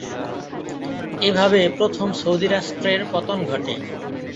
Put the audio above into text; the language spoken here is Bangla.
এভাবে প্রথম সৌদি রাষ্ট্রের পতন ঘটে।